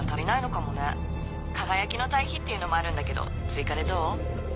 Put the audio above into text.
「かがやきの堆肥」っていうのもあるんだけど追加でどう？